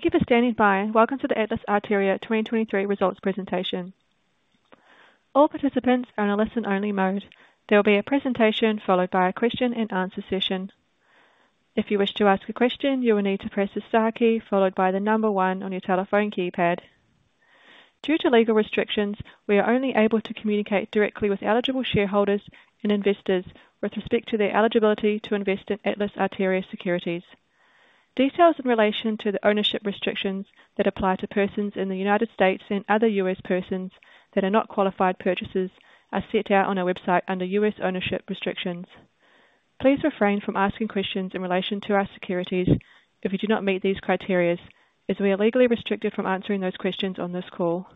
Thank you for standing by. Welcome to the Atlas Arteria 2023 results presentation. All participants are in a listen-only mode. There will be a presentation followed by a question-and-answer session. If you wish to ask a question, you will need to press the star key followed by the number 1 on your telephone keypad. Due to legal restrictions, we are only able to communicate directly with eligible shareholders and investors with respect to their eligibility to invest in Atlas Arteria securities. Details in relation to the ownership restrictions that apply to persons in the United States and other U.S. persons that are not qualified purchasers are set out on our website under U.S. ownership restrictions. Please refrain from asking questions in relation to our securities if you do not meet these criteria, as we are legally restricted from answering those questions on this call.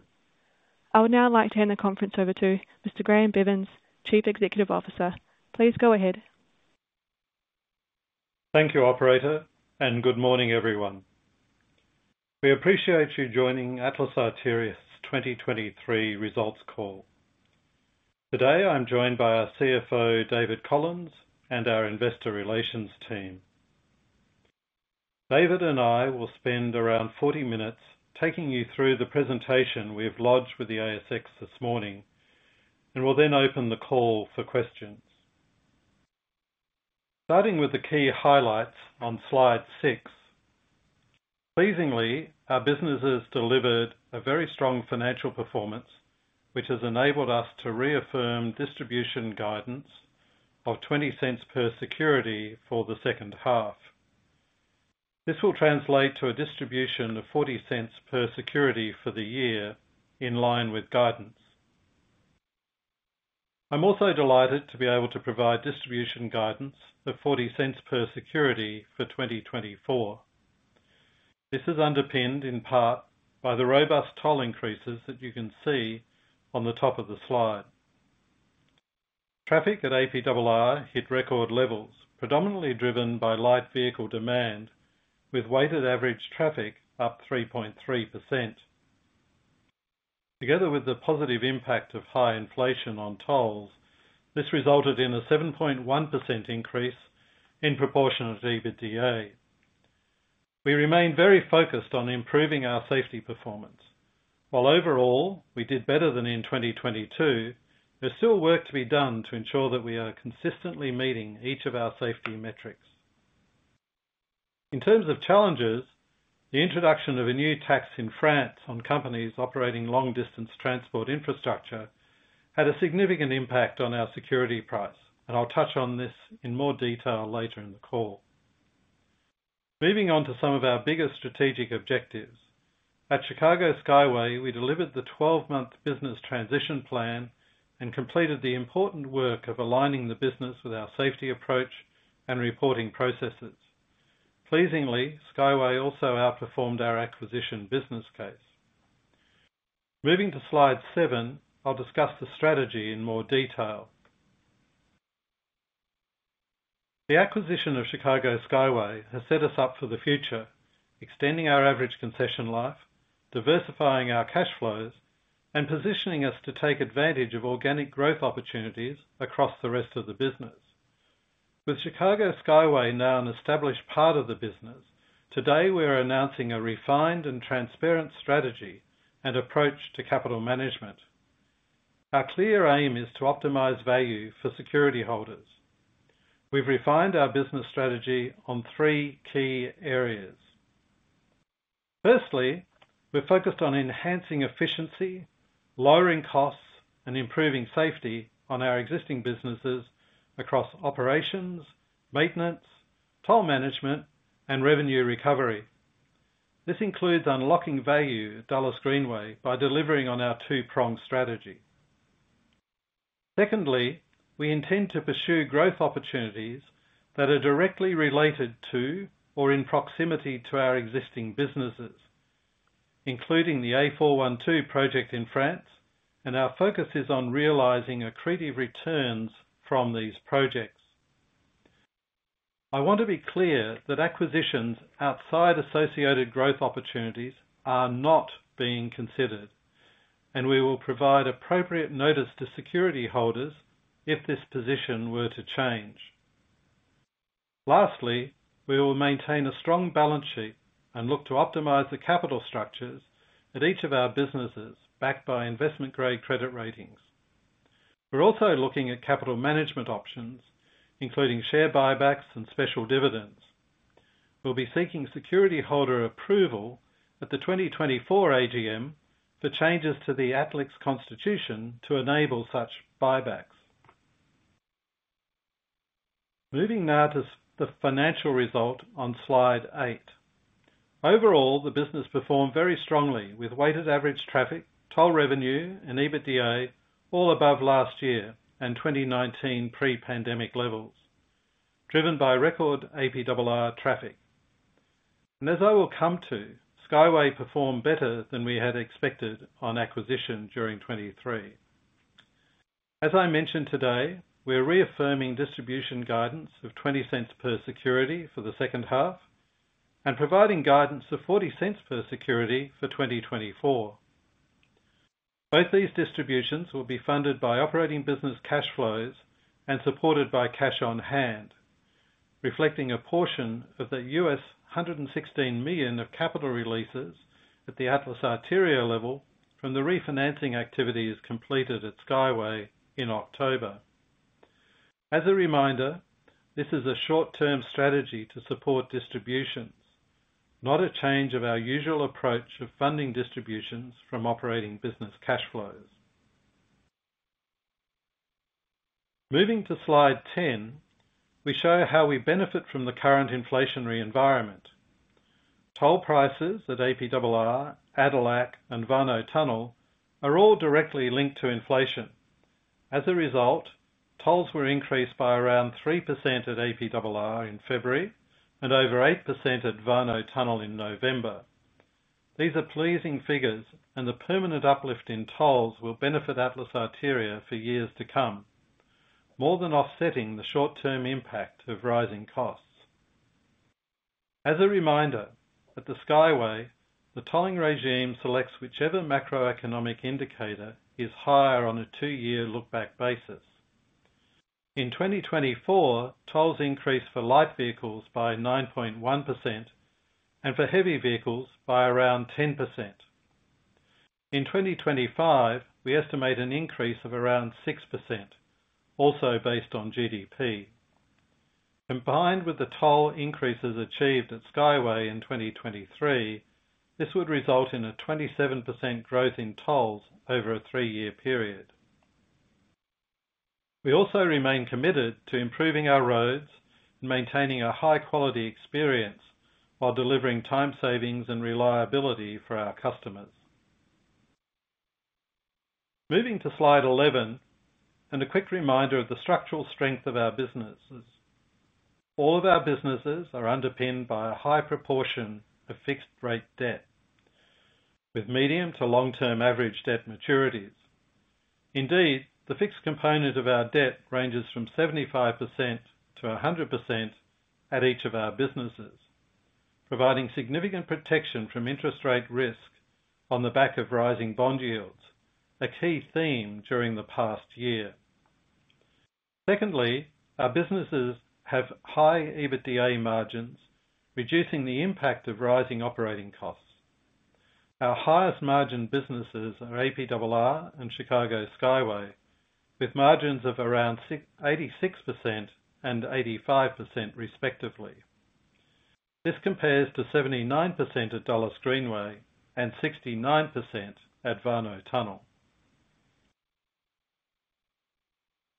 I would now like to hand the conference over to Mr. Graeme Bevans, Chief Executive Officer. Please go ahead. Thank you, Operator, and good morning, everyone. We appreciate you joining Atlas Arteria's 2023 results call. Today I'm joined by our CFO, David Collins, and our investor relations team. David and I will spend around 40 minutes taking you through the presentation we have lodged with the ASX this morning and will then open the call for questions. Starting with the key highlights on slide 6. Pleasingly, our businesses delivered a very strong financial performance, which has enabled us to reaffirm distribution guidance of 0.20 per security for the second half. This will translate to a distribution of 0.40 per security for the year in line with guidance. I'm also delighted to be able to provide distribution guidance of 0.40 per security for 2024. This is underpinned in part by the robust toll increases that you can see on the top of the slide. Traffic at APRR hit record levels, predominantly driven by light vehicle demand, with weighted average traffic up 3.3%. Together with the positive impact of high inflation on tolls, this resulted in a 7.1% increase in proportionate EBITDA. We remain very focused on improving our safety performance. While overall we did better than in 2022, there's still work to be done to ensure that we are consistently meeting each of our safety metrics. In terms of challenges, the introduction of a new tax in France on companies operating long-distance transport infrastructure had a significant impact on our share price, and I'll touch on this in more detail later in the call. Moving on to some of our bigger strategic objectives. At Chicago Skyway, we delivered the 12-month business transition plan and completed the important work of aligning the business with our safety approach and reporting processes. Pleasingly, Skyway also outperformed our acquisition business case. Moving to slide 7, I'll discuss the strategy in more detail. The acquisition of Chicago Skyway has set us up for the future, extending our average concession life, diversifying our cash flows, and positioning us to take advantage of organic growth opportunities across the rest of the business. With Chicago Skyway now an established part of the business, today we are announcing a refined and transparent strategy and approach to capital management. Our clear aim is to optimize value for security holders. We've refined our business strategy on three key areas. Firstly, we're focused on enhancing efficiency, lowering costs, and improving safety on our existing businesses across operations, maintenance, toll management, and revenue recovery. This includes unlocking value at Dulles Greenway by delivering on our two-pronged strategy. Secondly, we intend to pursue growth opportunities that are directly related to or in proximity to our existing businesses, including the A412 project in France, and our focus is on realizing accretive returns from these projects. I want to be clear that acquisitions outside associated growth opportunities are not being considered, and we will provide appropriate notice to security holders if this position were to change. Lastly, we will maintain a strong balance sheet and look to optimize the capital structures at each of our businesses backed by investment-grade credit ratings. We're also looking at capital management options, including share buybacks and special dividends. We'll be seeking security holder approval at the 2024 AGM for changes to the Atlas constitution to enable such buybacks. Moving now to the financial result on slide 8. Overall, the business performed very strongly with weighted average traffic, toll revenue, and EBITDA all above last year and 2019 pre-pandemic levels, driven by record APRR traffic. As I will come to, Skyway performed better than we had expected on acquisition during 2023. As I mentioned today, we're reaffirming distribution guidance of 0.20 per security for the second half and providing guidance of 0.40 per security for 2024. Both these distributions will be funded by operating business cash flows and supported by cash on hand, reflecting a portion of the $116 million of capital releases at the Atlas Arteria level from the refinancing activity completed at Skyway in October. As a reminder, this is a short-term strategy to support distributions, not a change of our usual approach of funding distributions from operating business cash flows. Moving to slide 10, we show how we benefit from the current inflationary environment. Toll prices at APRR, ADELAC, and Warnow Tunnel are all directly linked to inflation. As a result, tolls were increased by around 3% at APRR in February and over 8% at Warnow Tunnel in November. These are pleasing figures, and the permanent uplift in tolls will benefit Atlas Arteria for years to come, more than offsetting the short-term impact of rising costs. As a reminder, at the Skyway, the tolling regime selects whichever macroeconomic indicator is higher on a two-year lookback basis. In 2024, tolls increased for light vehicles by 9.1% and for heavy vehicles by around 10%. In 2025, we estimate an increase of around 6%, also based on GDP. Combined with the toll increases achieved at Skyway in 2023, this would result in a 27% growth in tolls over a three-year period. We also remain committed to improving our roads and maintaining a high-quality experience while delivering time savings and reliability for our customers. Moving to slide 11, and a quick reminder of the structural strength of our businesses. All of our businesses are underpinned by a high proportion of fixed-rate debt, with medium to long-term average debt maturities. Indeed, the fixed component of our debt ranges from 75%-100% at each of our businesses, providing significant protection from interest rate risk on the back of rising bond yields, a key theme during the past year. Secondly, our businesses have high EBITDA margins, reducing the impact of rising operating costs. Our highest-margin businesses are APRR and Chicago Skyway, with margins of around 86% and 85% respectively. This compares to 79% at Dulles Greenway and 69% at Warnow Tunnel.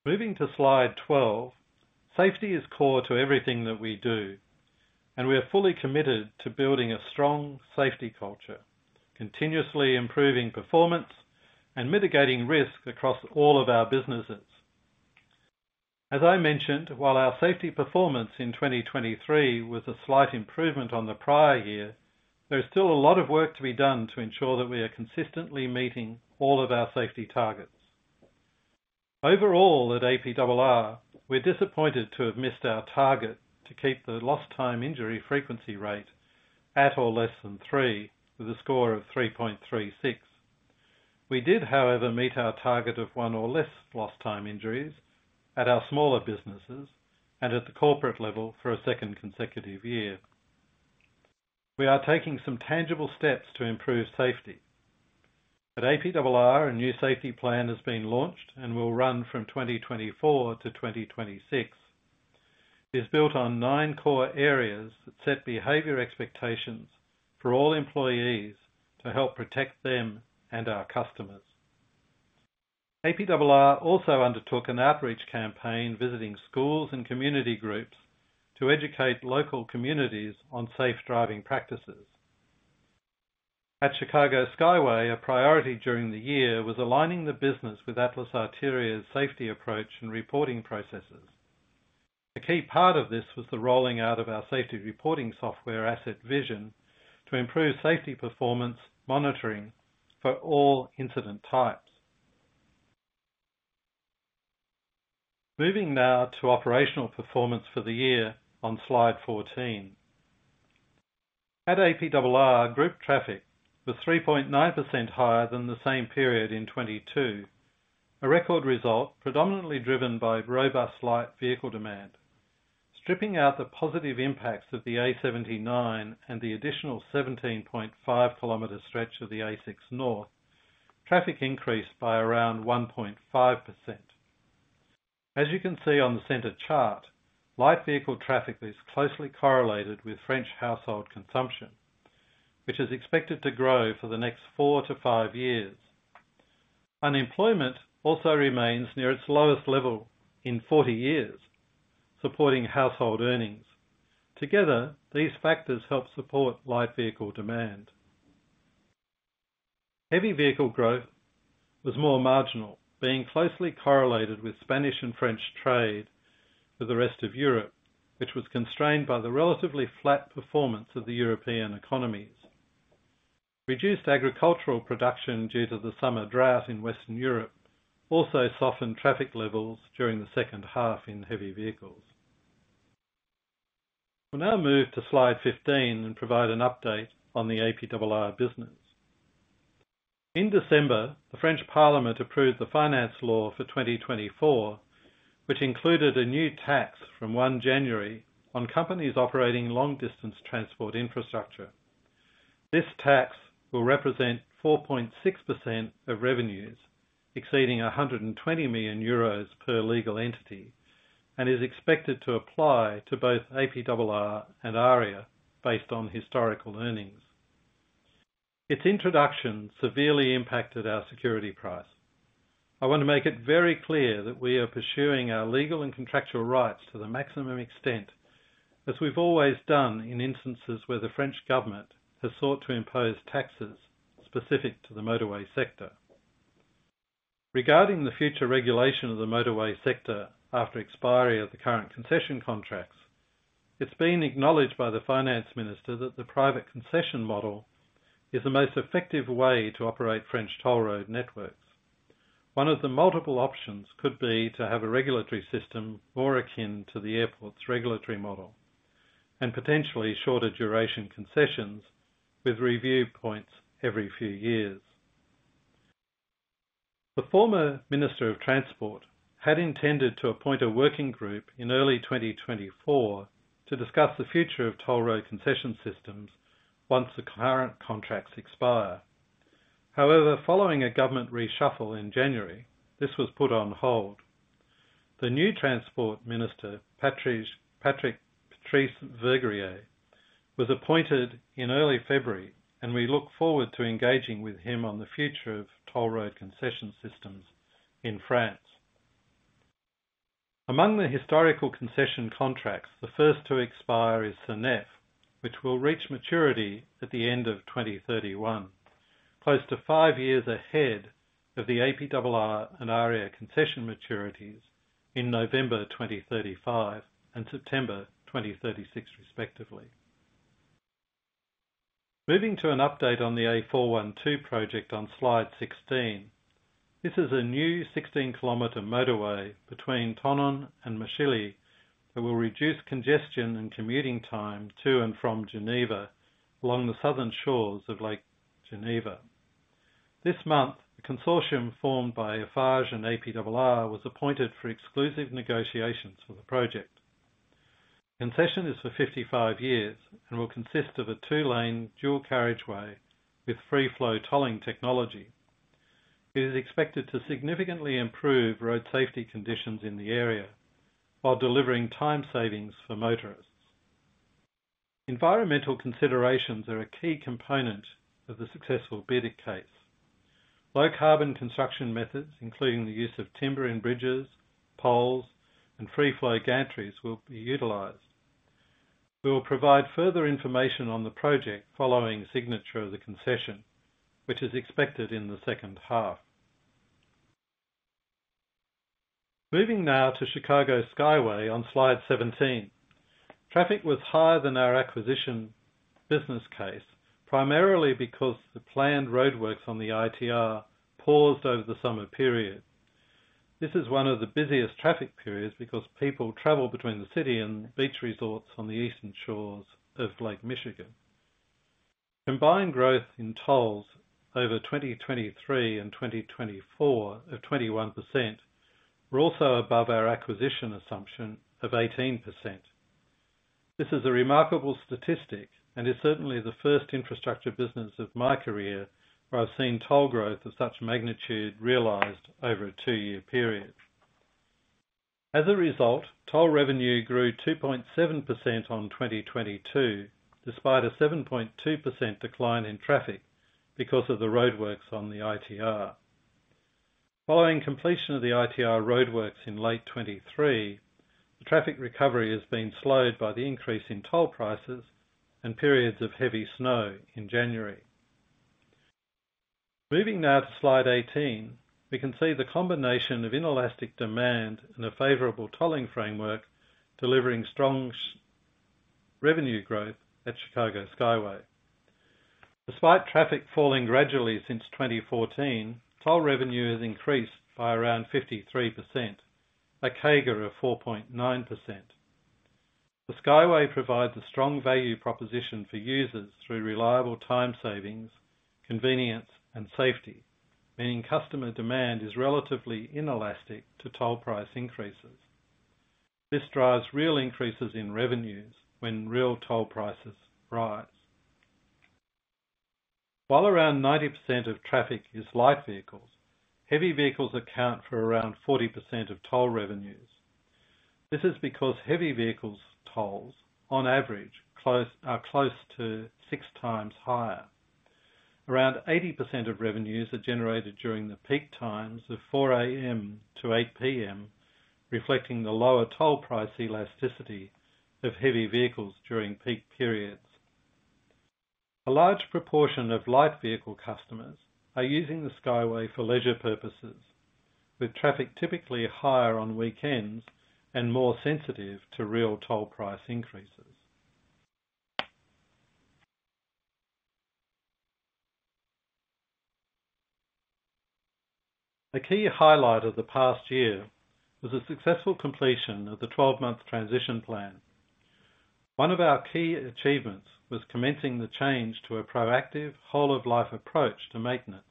Moving to slide 12, safety is core to everything that we do, and we are fully committed to building a strong safety culture, continuously improving performance and mitigating risk across all of our businesses. As I mentioned, while our safety performance in 2023 was a slight improvement on the prior year, there is still a lot of work to be done to ensure that we are consistently meeting all of our safety targets. Overall, at APRR, we're disappointed to have missed our target to keep the lost-time injury frequency rate at or less than 3, with a score of 3.36. We did, however, meet our target of 1 or less lost-time injuries at our smaller businesses and at the corporate level for a second consecutive year. We are taking some tangible steps to improve safety. At APRR, a new safety plan has been launched and will run from 2024 to 2026. It is built on nine core areas that set behavior expectations for all employees to help protect them and our customers. APRR also undertook an outreach campaign visiting schools and community groups to educate local communities on safe driving practices. At Chicago Skyway, a priority during the year was aligning the business with Atlas Arteria's safety approach and reporting processes. A key part of this was the rolling out of our safety reporting software Asset Vision to improve safety performance monitoring for all incident types. Moving now to operational performance for the year on slide 14. At APRR, group traffic was 3.9% higher than the same period in 2022, a record result predominantly driven by robust light vehicle demand. Stripping out the positive impacts of the A79 and the additional 17.5-kilometer stretch of the A6 north, traffic increased by around 1.5%. As you can see on the center chart, light vehicle traffic is closely correlated with French household consumption, which is expected to grow for the next four to five years. Unemployment also remains near its lowest level in 40 years, supporting household earnings. Together, these factors help support light vehicle demand. Heavy vehicle growth was more marginal, being closely correlated with Spanish and French trade with the rest of Europe, which was constrained by the relatively flat performance of the European economies. Reduced agricultural production due to the summer drought in Western Europe also softened traffic levels during the second half in heavy vehicles. We'll now move to slide 15 and provide an update on the APRR business. In December, the French Parliament approved the finance law for 2024, which included a new tax from 1 January on companies operating long-distance transport infrastructure. This tax will represent 4.6% of revenues, exceeding 120 million euros per legal entity, and is expected to apply to both APRR and AREA based on historical earnings. Its introduction severely impacted our security price. I want to make it very clear that we are pursuing our legal and contractual rights to the maximum extent, as we've always done in instances where the French government has sought to impose taxes specific to the motorway sector. Regarding the future regulation of the motorway sector after expiry of the current concession contracts, it's been acknowledged by the finance minister that the private concession model is the most effective way to operate French toll road networks. One of the multiple options could be to have a regulatory system more akin to the airport's regulatory model and potentially shorter-duration concessions with review points every few years. The former Minister of Transport had intended to appoint a working group in early 2024 to discuss the future of toll road concession systems once the current contracts expire. However, following a government reshuffle in January, this was put on hold. The new Transport Minister, Patrice Vergriete, was appointed in early February, and we look forward to engaging with him on the future of toll road concession systems in France. Among the historical concession contracts, the first to expire is SANEF which will reach maturity at the end of 2031, close to five years ahead of the APRR and AREA concession maturities in November 2035 and September 2036 respectively. Moving to an update on the A412 project on slide 16. This is a new 16-kilometer motorway between Thonon and Machilly that will reduce congestion and commuting time to and from Geneva along the southern shores of Lake Geneva. This month, a consortium formed by Eiffage and APRR was appointed for exclusive negotiations for the project. The concession is for 55 years and will consist of a two-lane dual-carriageway with free-flow tolling technology. It is expected to significantly improve road safety conditions in the area while delivering time savings for motorists. Environmental considerations are a key component of the successful bid case. Low-carbon construction methods, including the use of timber in bridges, poles, and free-flow gantries, will be utilized. We will provide further information on the project following signature of the concession, which is expected in the second half. Moving now to Chicago Skyway on slide 17. Traffic was higher than our acquisition business case, primarily because the planned roadworks on the ITR paused over the summer period. This is one of the busiest traffic periods because people travel between the city and beach resorts on the eastern shores of Lake Michigan. Combined growth in tolls over 2023 and 2024 of 21% were also above our acquisition assumption of 18%. This is a remarkable statistic and is certainly the first infrastructure business of my career where I've seen toll growth of such magnitude realized over a two-year period. As a result, toll revenue grew 2.7% on 2022 despite a 7.2% decline in traffic because of the roadworks on the ITR. Following completion of the ITR roadworks in late 2023, the traffic recovery has been slowed by the increase in toll prices and periods of heavy snow in January. Moving now to slide 18, we can see the combination of inelastic demand and a favorable tolling framework delivering strong revenue growth at Chicago Skyway. Despite traffic falling gradually since 2014, toll revenue has increased by around 53%, a CAGR of 4.9%. The Skyway provides a strong value proposition for users through reliable time savings, convenience, and safety, meaning customer demand is relatively inelastic to toll price increases. This drives real increases in revenues when real toll prices rise. While around 90% of traffic is light vehicles, heavy vehicles account for around 40% of toll revenues. This is because heavy vehicles' tolls, on average, are close to six times higher. Around 80% of revenues are generated during the peak times of 4:00 A.M. to 8:00 P.M., reflecting the lower toll price elasticity of heavy vehicles during peak periods. A large proportion of light vehicle customers are using the Skyway for leisure purposes, with traffic typically higher on weekends and more sensitive to real toll price increases. A key highlight of the past year was the successful completion of the 12-month transition plan. One of our key achievements was commencing the change to a proactive, whole-of-life approach to maintenance.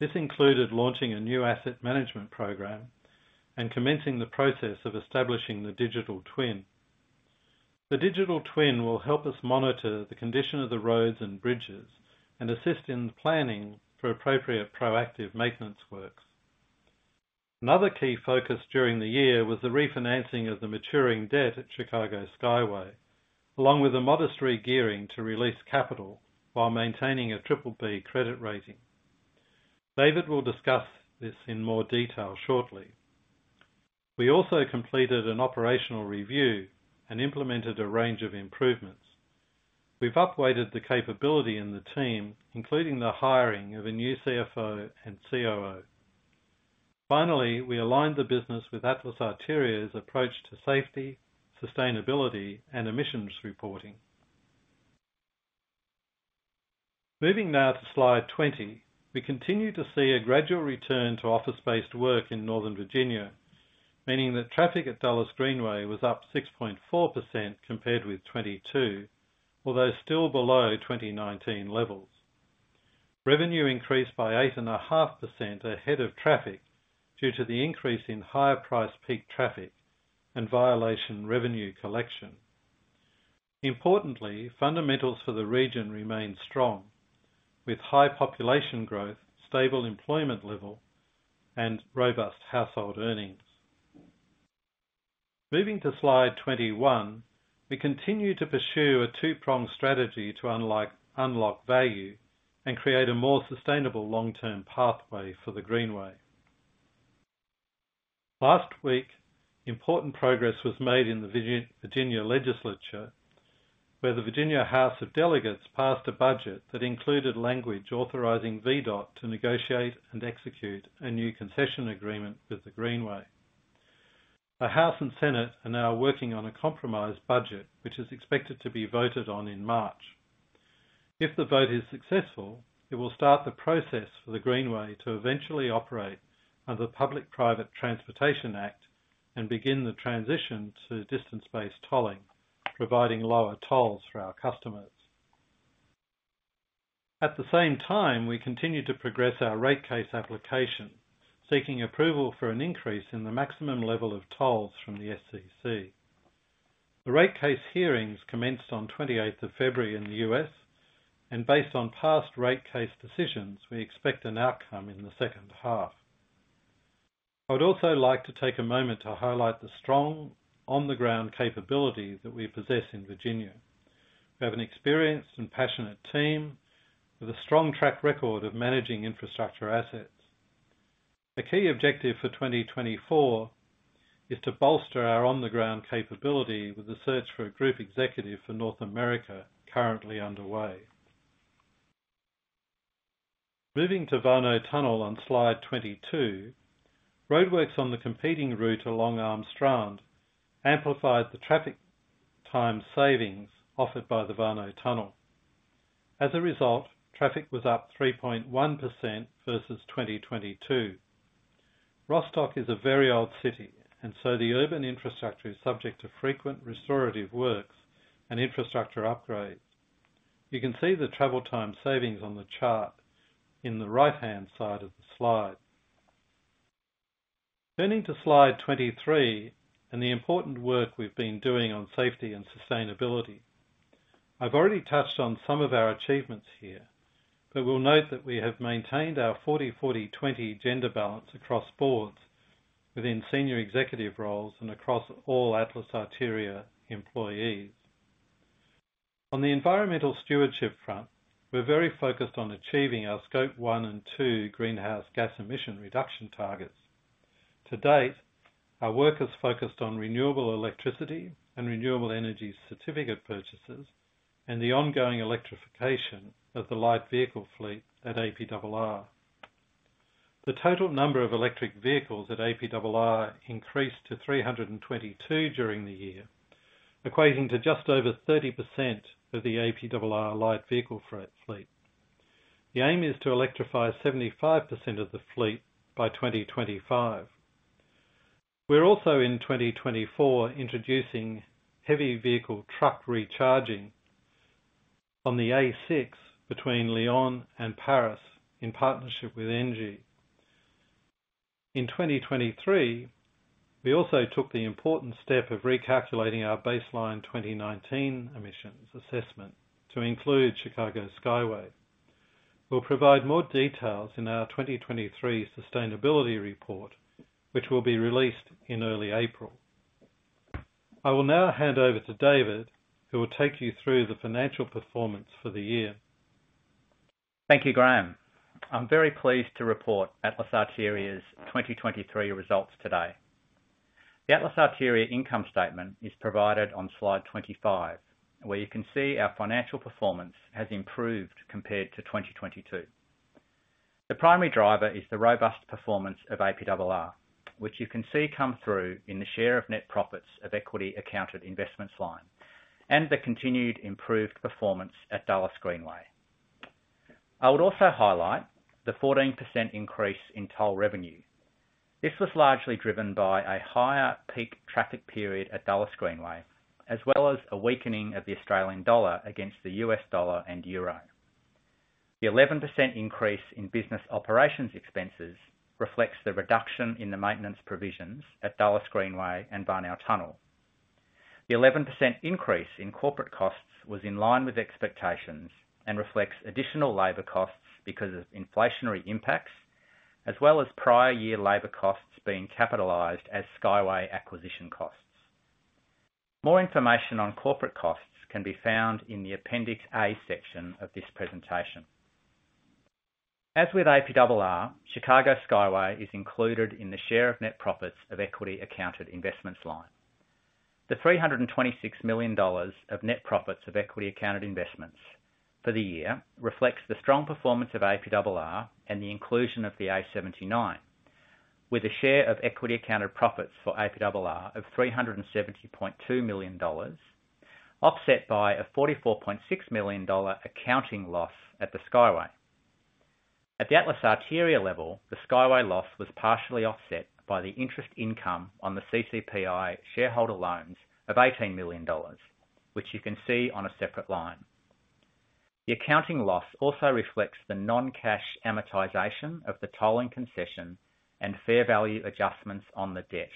This included launching a new asset management program and commencing the process of establishing the digital twin. The digital twin will help us monitor the condition of the roads and bridges and assist in the planning for appropriate proactive maintenance works. Another key focus during the year was the refinancing of the maturing debt at Chicago Skyway, along with a modest regearing to release capital while maintaining a BBB credit rating. David will discuss this in more detail shortly. We also completed an operational review and implemented a range of improvements. We've upgraded the capability in the team, including the hiring of a new CFO and COO. Finally, we aligned the business with Atlas Arteria's approach to safety, sustainability, and emissions reporting. Moving now to slide 20, we continue to see a gradual return to office-based work in Northern Virginia, meaning that traffic at Dulles Greenway was up 6.4% compared with 2022, although still below 2019 levels. Revenue increased by 8.5% ahead of traffic due to the increase in higher-priced peak traffic and violation revenue collection. Importantly, fundamentals for the region remain strong, with high population growth, stable employment level, and robust household earnings. Moving to slide 21, we continue to pursue a two-pronged strategy to unlock value and create a more sustainable long-term pathway for the Greenway. Last week, important progress was made in the Virginia legislature, where the Virginia House of Delegates passed a budget that included language authorizing VDOT to negotiate and execute a new concession agreement with the Greenway. The House and Senate are now working on a compromise budget, which is expected to be voted on in March. If the vote is successful, it will start the process for the Greenway to eventually operate under the Public-Private Transportation Act and begin the transition to distance-based tolling, providing lower tolls for our customers. At the same time, we continue to progress our rate case application, seeking approval for an increase in the maximum level of tolls from the SCC. The rate case hearings commenced on 28 February in the U.S., and based on past rate case decisions, we expect an outcome in the second half. I would also like to take a moment to highlight the strong, on-the-ground capability that we possess in Virginia. We have an experienced and passionate team with a strong track record of managing infrastructure assets. A key objective for 2024 is to bolster our on-the-ground capability with the search for a group executive for North America currently underway. Moving to Warnow Tunnel on slide 22, roadworks on the competing route along Am Strande amplified the traffic time savings offered by the Warnow Tunnel. As a result, traffic was up 3.1% versus 2022. Rostock is a very old city, and so the urban infrastructure is subject to frequent restorative works and infrastructure upgrades. You can see the travel time savings on the chart in the right-hand side of the slide. Turning to slide 23 and the important work we've been doing on safety and sustainability. I've already touched on some of our achievements here, but we'll note that we have maintained our 40-40-20 gender balance across boards within senior executive roles and across all Atlas Arteria employees. On the environmental stewardship front, we're very focused on achieving our Scope 1 and 2 greenhouse gas emission reduction targets. To date, our work is focused on renewable electricity and renewable energy certificate purchases and the ongoing electrification of the light vehicle fleet at APRR. The total number of electric vehicles at APRR increased to 322 during the year, equating to just over 30% of the APRR light vehicle fleet. The aim is to electrify 75% of the fleet by 2025. We're also, in 2024, introducing heavy vehicle truck recharging on the A6 between Lyon and Paris in partnership with Engie. In 2023, we also took the important step of recalculating our baseline 2019 emissions assessment to include Chicago Skyway. We'll provide more details in our 2023 sustainability report, which will be released in early April. I will now hand over to David, who will take you through the financial performance for the year. Thank you, Graeme. I'm very pleased to report Atlas Arteria's 2023 results today. The Atlas Arteria income statement is provided on slide 25, where you can see our financial performance has improved compared to 2022. The primary driver is the robust performance of APRR, which you can see come through in the share of net profits of equity accounted investments line and the continued improved performance at Dulles Greenway. I would also highlight the 14% increase in toll revenue. This was largely driven by a higher peak traffic period at Dulles Greenway, as well as a weakening of the Australian dollar against the US dollar and euro. The 11% increase in business operations expenses reflects the reduction in the maintenance provisions at Dulles Greenway and Warnow Tunnel. The 11% increase in corporate costs was in line with expectations and reflects additional labor costs because of inflationary impacts, as well as prior-year labor costs being capitalized as Skyway acquisition costs. More information on corporate costs can be found in the Appendix A section of this presentation. As with APRR, Chicago Skyway is included in the share of net profits of equity accounted investments line. The AUD 326 million of net profits of equity accounted investments for the year reflects the strong performance of APRR and the inclusion of the A79, with a share of equity accounted profits for APRR of 370.2 million dollars offset by a 44.6 million dollar accounting loss at the Skyway. At the Atlas Arteria level, the Skyway loss was partially offset by the interest income on the CCPI shareholder loans of 18 million dollars, which you can see on a separate line. The accounting loss also reflects the non-cash amortization of the tolling concession and fair value adjustments on the debt,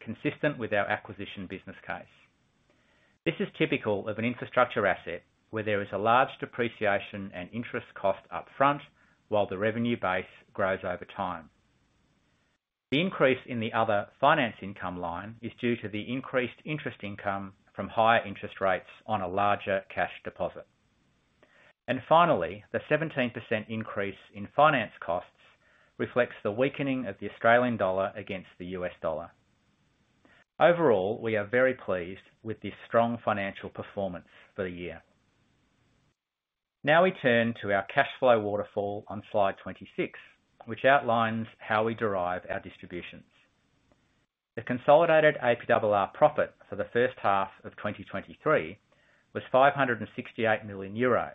consistent with our acquisition business case. This is typical of an infrastructure asset where there is a large depreciation and interest cost upfront while the revenue base grows over time. The increase in the other finance income line is due to the increased interest income from higher interest rates on a larger cash deposit. Finally, the 17% increase in finance costs reflects the weakening of the Australian dollar against the US dollar. Overall, we are very pleased with this strong financial performance for the year. Now we turn to our cash flow waterfall on slide 26, which outlines how we derive our distributions. The consolidated APRR profit for the first half of 2023 was 568 million euros,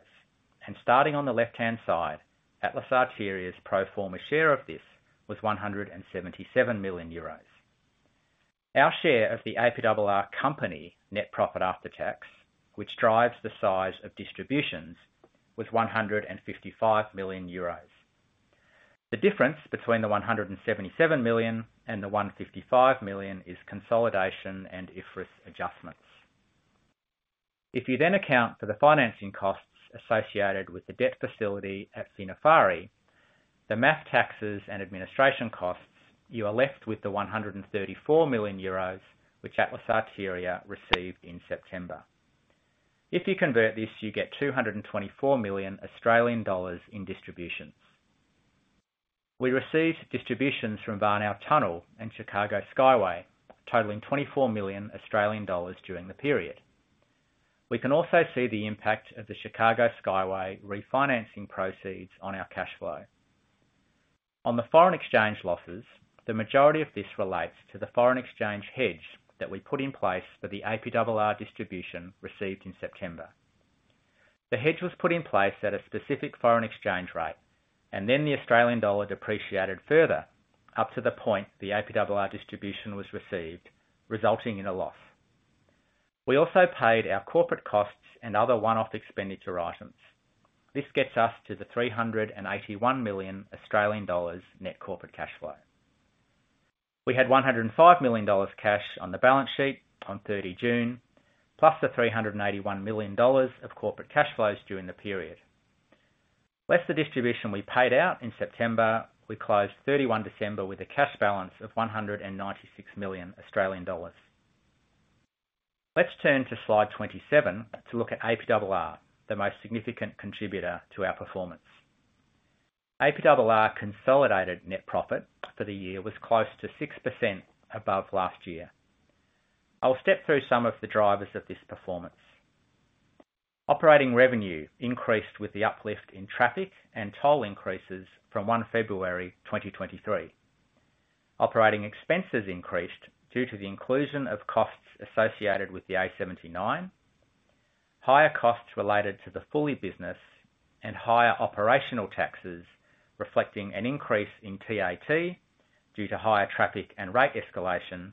and starting on the left-hand side, Atlas Arteria's pro forma share of this was 177 million euros. Our share of the APRR company net profit after tax, which drives the size of distributions, was 155 million euros. The difference between the 177 million and the 155 million is consolidation and IFRS adjustments. If you then account for the financing costs associated with the debt facility at Financière Eiffarie, the MAF taxes and administration costs, you are left with the 134 million euros, which Atlas Arteria received in September. If you convert this, you get 224 million Australian dollars in distributions. We received distributions from Warnow Tunnel and Chicago Skyway, totaling 24 million Australian dollars during the period. We can also see the impact of the Chicago Skyway refinancing proceeds on our cash flow. On the foreign exchange losses, the majority of this relates to the foreign exchange hedge that we put in place for the APRR distribution received in September. The hedge was put in place at a specific foreign exchange rate, and then the Australian dollar depreciated further up to the point the APRR distribution was received, resulting in a loss. We also paid our corporate costs and other one-off expenditure items. This gets us to the 381 million Australian dollars net corporate cash flow. We had AUD 105 million cash on the balance sheet on 30 June, plus the AUD 381 million of corporate cash flows during the period. Less the distribution we paid out in September, we closed 31 December with a cash balance of 196 million Australian dollars. Let's turn to slide 27 to look at APRR, the most significant contributor to our performance. APRR consolidated net profit for the year was close to 6% above last year. I'll step through some of the drivers of this performance. Operating revenue increased with the uplift in traffic and toll increases from 1 February 2023. Operating expenses increased due to the inclusion of costs associated with the A79, higher costs related to the full business, and higher operational taxes reflecting an increase in TAT due to higher traffic and rate escalation,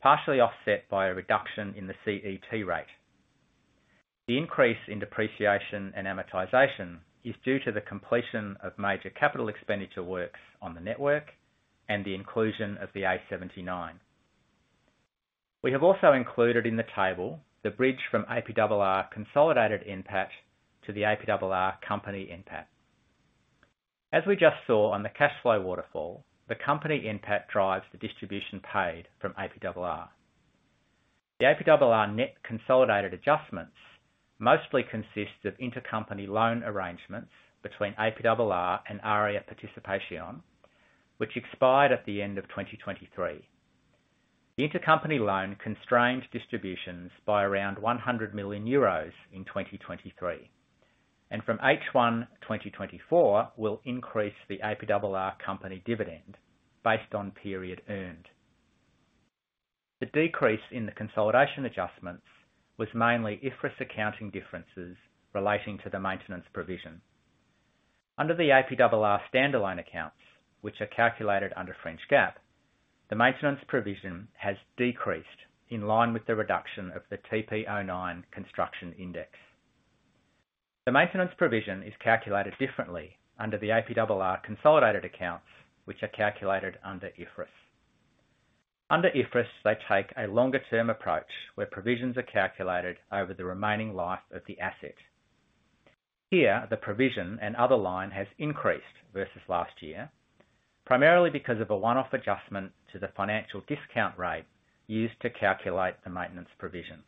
partially offset by a reduction in the CET rate. The increase in depreciation and amortization is due to the completion of major capital expenditure works on the network and the inclusion of the A79. We have also included in the table the bridge from APRR consolidated impact to the APRR company impact. As we just saw on the cash flow waterfall, the company impact drives the distribution paid from APRR. The APRR net consolidated adjustments mostly consist of intercompany loan arrangements between APRR and AREA Participation, which expired at the end of 2023. The intercompany loan constrained distributions by around 100 million euros in 2023, and from H1 2024 will increase the APRR company dividend based on period earned. The decrease in the consolidation adjustments was mainly IFRS accounting differences relating to the maintenance provision. Under the APRR standalone accounts, which are calculated under French GAAP, the maintenance provision has decreased in line with the reduction of the TP09 construction index. The maintenance provision is calculated differently under the APRR consolidated accounts, which are calculated under IFRS. Under IFRS, they take a longer-term approach where provisions are calculated over the remaining life of the asset. Here, the provision and other line has increased versus last year, primarily because of a one-off adjustment to the financial discount rate used to calculate the maintenance provision.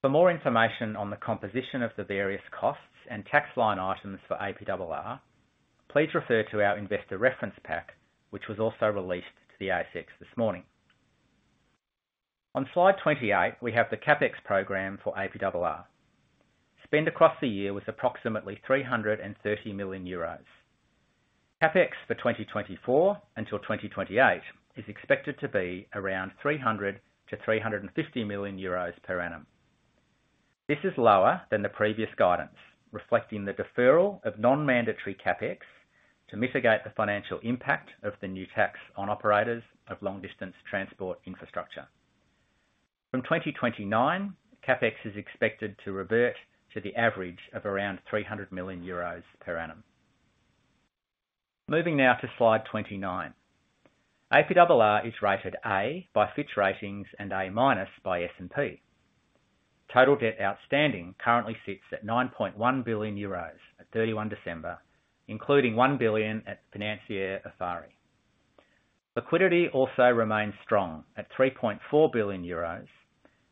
For more information on the composition of the various costs and tax line items for APRR, please refer to our investor reference pack, which was also released to the ASX this morning. On slide 28, we have the CAPEX program for APRR. Spend across the year was approximately 330 million euros. CAPEX for 2024 until 2028 is expected to be around 300-350 million euros per annum. This is lower than the previous guidance, reflecting the deferral of non-mandatory CAPEX to mitigate the financial impact of the new tax on operators of long-distance transport infrastructure. From 2029, CAPEX is expected to revert to the average of around 300 million euros per annum. Moving now to slide 29. APRR is rated A by Fitch Ratings and A- by S&P. Total debt outstanding currently sits at 9.1 billion euros at 31 December, including 1 billion at Financière Eiffarie. Liquidity also remains strong at 3.4 billion euros,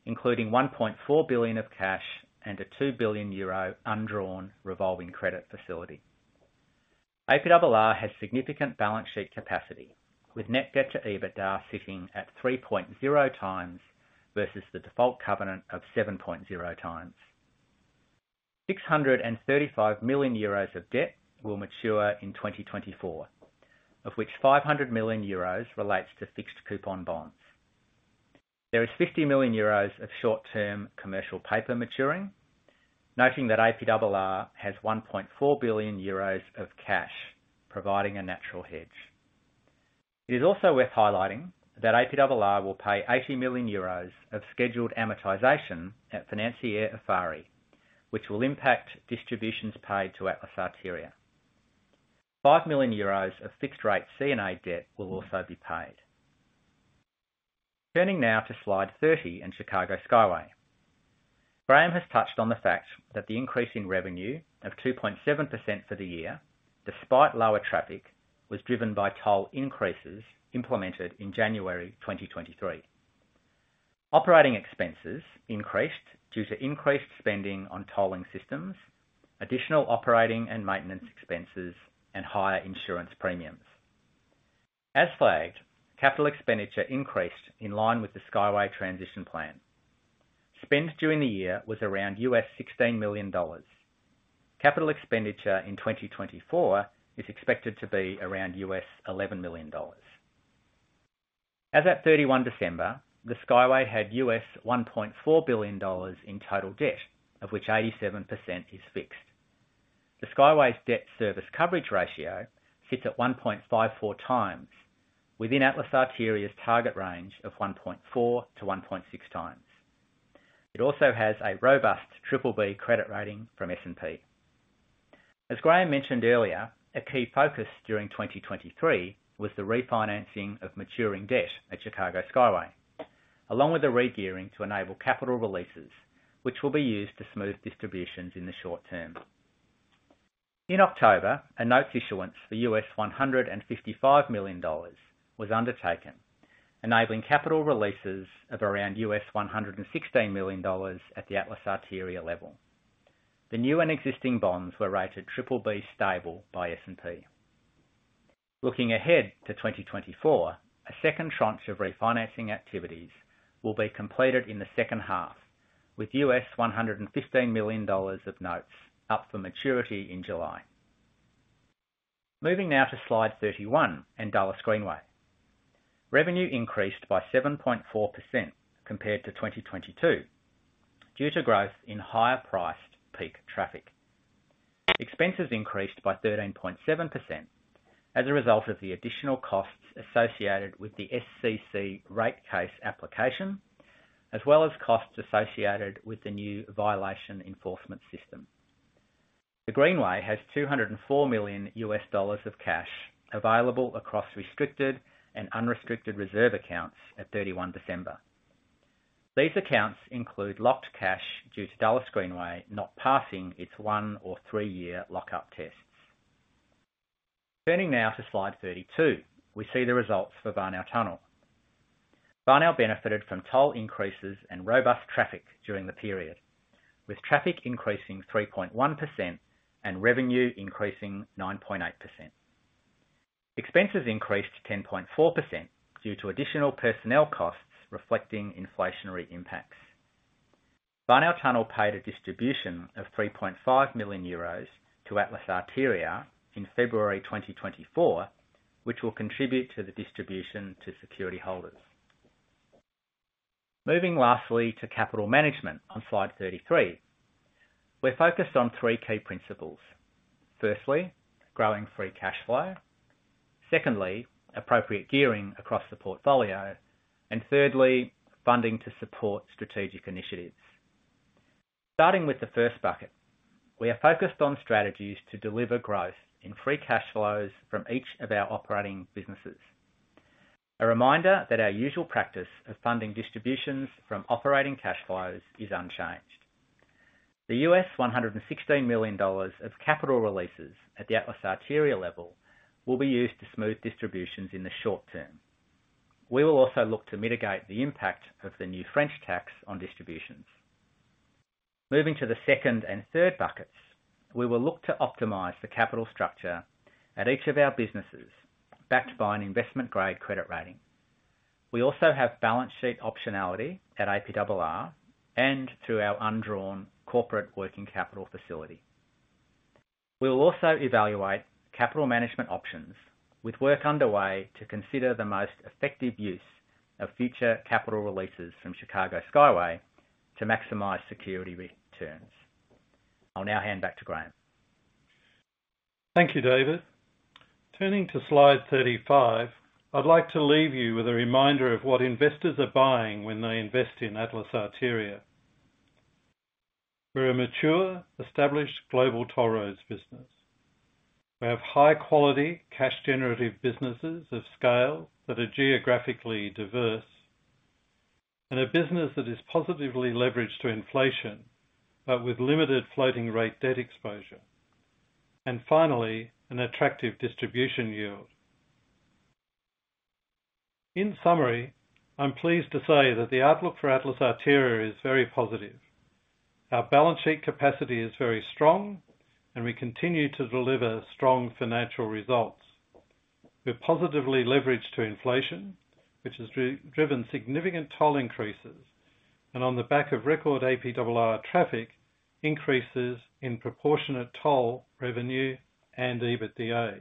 including 1.4 billion of cash and a 2 billion euro undrawn revolving credit facility. APRR has significant balance sheet capacity, with net debt to EBITDA sitting at 3.0 times versus the default covenant of 7.0 times. 635 million euros of debt will mature in 2024, of which 500 million euros relates to fixed coupon bonds. There is 50 million euros of short-term commercial paper maturing, noting that APRR has 1.4 billion euros of cash providing a natural hedge. It is also worth highlighting that APRR will pay 80 million euros of scheduled amortization at Financière Eiffarie, which will impact distributions paid to Atlas Arteria. 5 million euros of fixed-rate CNA debt will also be paid. Turning now to slide 30 and Chicago Skyway. Graeme has touched on the fact that the increase in revenue of 2.7% for the year, despite lower traffic, was driven by toll increases implemented in January 2023. Operating expenses increased due to increased spending on tolling systems, additional operating and maintenance expenses, and higher insurance premiums. As flagged, capital expenditure increased in line with the Skyway transition plan. Spend during the year was around $16 million. Capital expenditure in 2024 is expected to be around $11 million. As at 31 December, the Skyway had $1.4 billion in total debt, of which 87% is fixed. The Skyway's debt service coverage ratio sits at 1.54 times, within Atlas Arteria's target range of 1.4-1.6 times. It also has a robust BBB credit rating from S&P. As Graeme mentioned earlier, a key focus during 2023 was the refinancing of maturing debt at Chicago Skyway, along with the regearing to enable capital releases, which will be used to smooth distributions in the short term. In October, a notes issuance for $155 million was undertaken, enabling capital releases of around $116 million at the Atlas Arteria level. The new and existing bonds were rated BBB stable by S&P. Looking ahead to 2024, a second tranche of refinancing activities will be completed in the second half, with $115 million of notes up for maturity in July. Moving now to slide 31 and Dulles Greenway. Revenue increased by 7.4% compared to 2022 due to growth in higher-priced peak traffic. Expenses increased by 13.7% as a result of the additional costs associated with the SCC rate case application, as well as costs associated with the new violation enforcement system. The Greenway has $204 million of cash available across restricted and unrestricted reserve accounts at 31 December. These accounts include locked cash due to Dulles Greenway not passing its one or three-year lockup tests. Turning now to slide 32, we see the results for Warnow Tunnel. Warnow benefited from toll increases and robust traffic during the period, with traffic increasing 3.1% and revenue increasing 9.8%. Expenses increased 10.4% due to additional personnel costs reflecting inflationary impacts. Warnow Tunnel paid a distribution of 3.5 million euros to Atlas Arteria in February 2024, which will contribute to the distribution to security holders. Moving lastly to capital management on slide 33, we're focused on three key principles. Firstly, growing free cash flow. Secondly, appropriate gearing across the portfolio. And thirdly, funding to support strategic initiatives. Starting with the first bucket, we are focused on strategies to deliver growth in free cash flows from each of our operating businesses. A reminder that our usual practice of funding distributions from operating cash flows is unchanged. The $116 million of capital releases at the Atlas Arteria level will be used to smooth distributions in the short term. We will also look to mitigate the impact of the new French tax on distributions. Moving to the second and third buckets, we will look to optimize the capital structure at each of our businesses backed by an investment-grade credit rating. We also have balance sheet optionality at APRR and through our undrawn corporate working capital facility. We will also evaluate capital management options, with work underway to consider the most effective use of future capital releases from Chicago Skyway to maximize security returns. I'll now hand back to Graeme. Thank you, David. Turning to slide 35, I'd like to leave you with a reminder of what investors are buying when they invest in Atlas Arteria. We're a mature, established global toll roads business. We have high-quality, cash-generative businesses of scale that are geographically diverse, and a business that is positively leveraged to inflation but with limited floating-rate debt exposure. Finally, an attractive distribution yield. In summary, I'm pleased to say that the outlook for Atlas Arteria is very positive. Our balance sheet capacity is very strong, and we continue to deliver strong financial results. We're positively leveraged to inflation, which has driven significant toll increases. On the back of record APRR traffic, increases in proportionate toll revenue and EBITDA.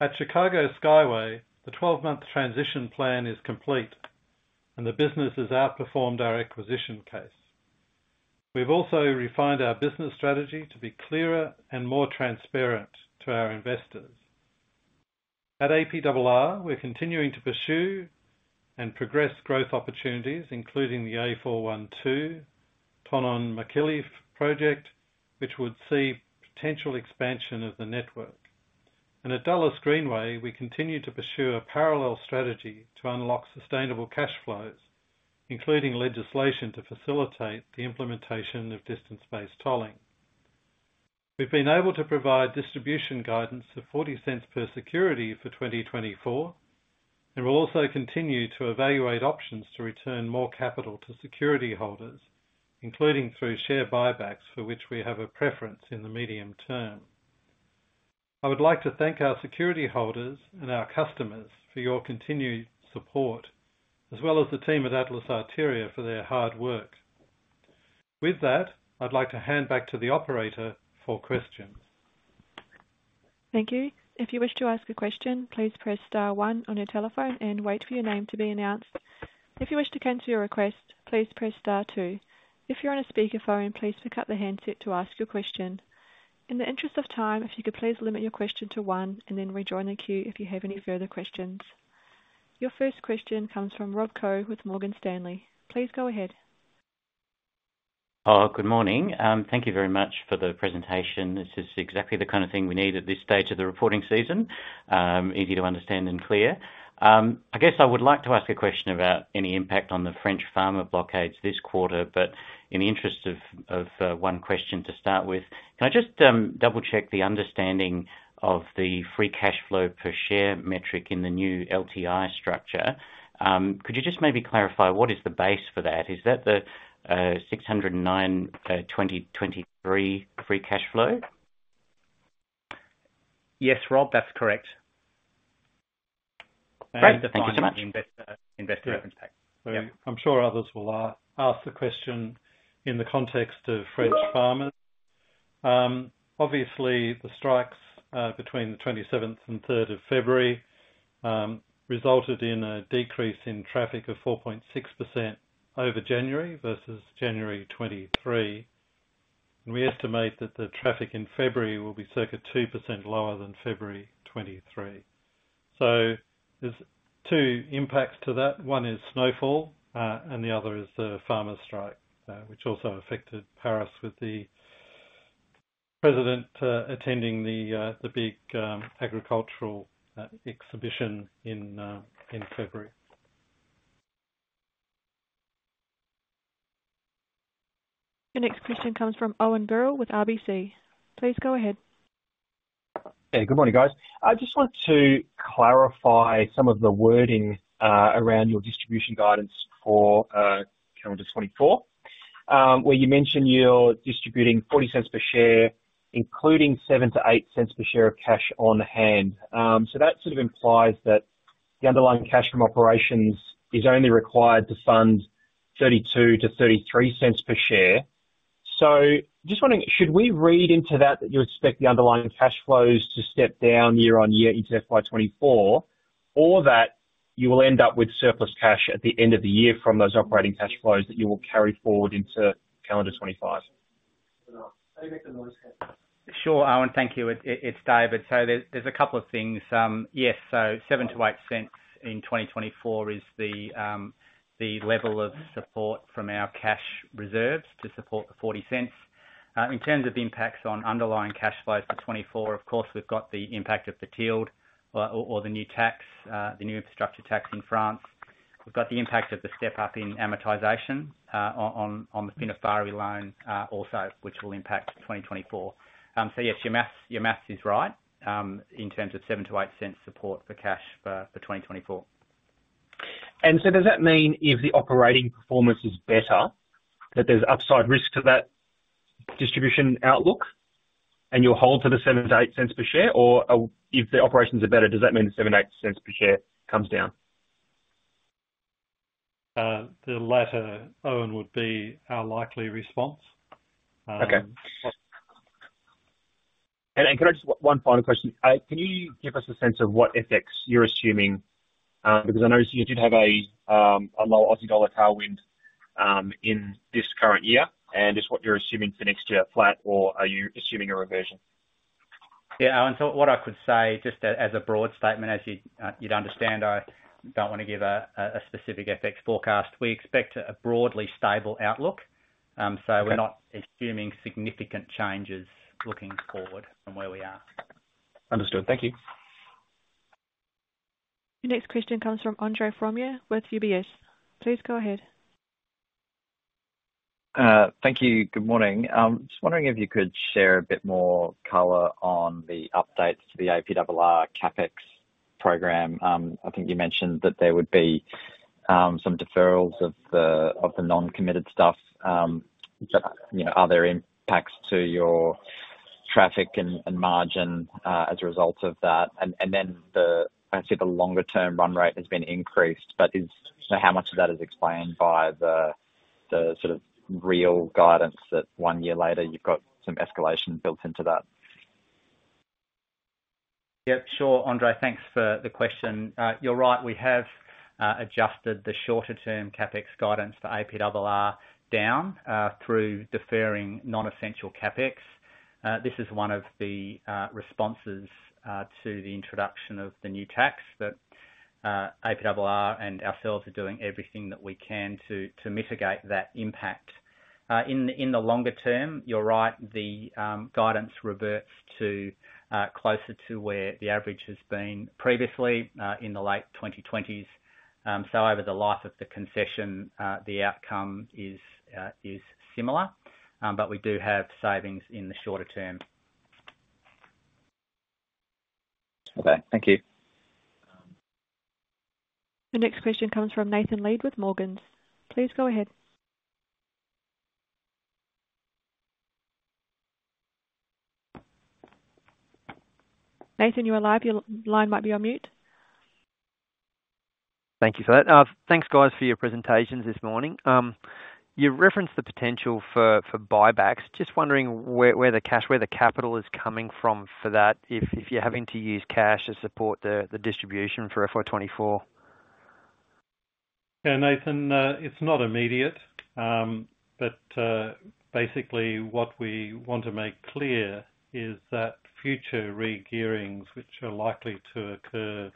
At Chicago Skyway, the 12-month transition plan is complete, and the business has outperformed our acquisition case. We've also refined our business strategy to be clearer and more transparent to our investors. At APRR, we're continuing to pursue and progress growth opportunities, including the A412 Thonon-Machilly project, which would see potential expansion of the network. And at Dulles Greenway, we continue to pursue a parallel strategy to unlock sustainable cash flows, including legislation to facilitate the implementation of distance-based tolling. We've been able to provide distribution guidance of 0.40 per security for 2024, and we'll also continue to evaluate options to return more capital to security holders, including through share buybacks for which we have a preference in the medium term. I would like to thank our security holders and our customers for your continued support, as well as the team at Atlas Arteria for their hard work. With that, I'd like to hand back to the operator for questions. Thank you. If you wish to ask a question, please press star one on your telephone and wait for your name to be announced. If you wish to cancel your request, please press star two. If you're on a speakerphone, please pick up the handset to ask your question. In the interest of time, if you could please limit your question to one and then rejoin the queue if you have any further questions. Your first question comes from Rob Koh with Morgan Stanley. Please go ahead. Oh, good morning. Thank you very much for the presentation. This is exactly the kind of thing we need at this stage of the reporting season, easy to understand and clear. I guess I would like to ask a question about any impact on the French farmer blockades this quarter. But in the interest of one question to start with, can I just double-check the understanding of the free cash flow per share metric in the new LTI structure? Could you just maybe clarify what is the base for that? Is that the 609 2023 free cash flow? Yes, Rob, that's correct. Great. Thank you so much. The final investor reference pack. I'm sure others will ask the question in the context of French farmers. Obviously, the strikes between the 27th and 3rd of February resulted in a decrease in traffic of 4.6% over January versus January 2023. We estimate that the traffic in February will be circa 2% lower than February 2023. There's two impacts to that. One is snowfall, and the other is the farmer strike, which also affected Paris with the president attending the big agricultural exhibition in February. Your next question comes from Owen Birrell with RBC. Please go ahead. Hey, good morning, guys. I just want to clarify some of the wording around your distribution guidance for calendar 2024, where you mentioned you're distributing 0.40 per share, including 0.07-0.08 per share of cash on hand. So that sort of implies that the underlying cash from operations is only required to fund 0.32-0.33 per share. So just wondering, should we read into that that you expect the underlying cash flows to step down year on year into FY 2024, or that you will end up with surplus cash at the end of the year from those operating cash flows that you will carry forward into calendar 2025? Sure, Owen. Thank you. It's David. So there's a couple of things. Yes, so 0.07-0.08 in 2024 is the level of support from our cash reserves to support the 0.40. In terms of impacts on underlying cash flows for 2024, of course, we've got the impact of the TILD or the new infrastructure tax in France. We've got the impact of the step-up in amortization on the Financière Eiffarie loan also, which will impact 2024. So yes, your math is right in terms of 0.07-0.08 support for cash for 2024. Does that mean if the operating performance is better, that there's upside risk to that distribution outlook and you'll hold to the 0.07-0.08 per share? Or if the operations are better, does that mean the 0.07-0.08 per share comes down? The latter, Owen, would be our likely response. Okay. One final question. Can you give us a sense of what effects you're assuming? Because I noticed you did have a low Aussie dollar tailwind in this current year. Is what you're assuming for next year flat, or are you assuming a reversion? Yeah, Owen. So what I could say, just as a broad statement, as you'd understand, I don't want to give a specific EBITDA forecast. We expect a broadly stable outlook. So we're not assuming significant changes looking forward from where we are. Understood. Thank you. Your next question comes from Andre Fromyhr with UBS. Please go ahead. Thank you. Good morning. I was wondering if you could share a bit more color on the updates to the APRR CapEx program. I think you mentioned that there would be some deferrals of the non-committed stuff. Are there impacts to your traffic and margin as a result of that? And then I see the longer-term run rate has been increased, but how much of that is explained by the sort of real guidance that one year later you've got some escalation built into that? Yep, sure. Andre, thanks for the question. You're right. We have adjusted the shorter-term CAPEX guidance for APRR down through deferring non-essential CAPEX. This is one of the responses to the introduction of the new tax that APRR and ourselves are doing everything that we can to mitigate that impact. In the longer term, you're right, the guidance reverts closer to where the average has been previously in the late 2020s. So over the life of the concession, the outcome is similar. But we do have savings in the shorter term. Okay. Thank you. Your next question comes from Nathan Lead with Morgans. Please go ahead. Nathan, you're live. Your line might be on mute. Thank you for that. Thanks, guys, for your presentations this morning. You referenced the potential for buybacks. Just wondering where the capital is coming from for that, if you're having to use cash to support the distribution for FY2024. Yeah, Nathan, it's not immediate. But basically, what we want to make clear is that future regearings, which are likely to occur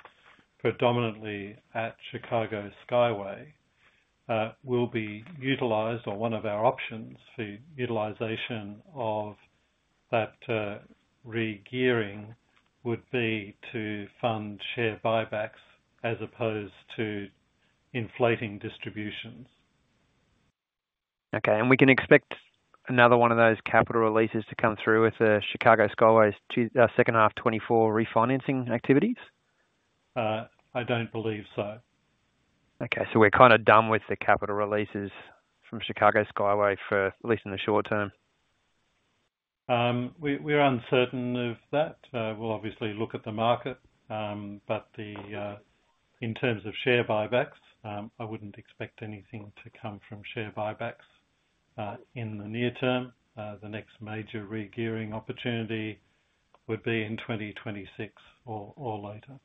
predominantly at Chicago Skyway, will be utilized or one of our options for utilization of that regearing would be to fund share buybacks as opposed to inflating distributions. Okay. And we can expect another one of those capital releases to come through with the Chicago Skyway's second half 2024 refinancing activities? I don't believe so. Okay. So we're kind of done with the capital releases from Chicago Skyway for at least in the short term? We're uncertain of that. We'll obviously look at the market. In terms of share buybacks, I wouldn't expect anything to come from share buybacks in the near term. The next major regearing opportunity would be in 2026 or later.